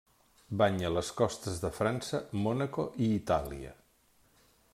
Banya les costes de França, Mònaco i Itàlia.